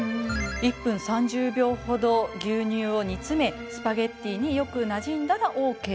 １分３０秒分ほど牛乳を煮詰めスパゲッティによくなじんだらＯＫ！